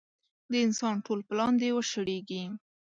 د انسان ټول پلان دې وشړېږي.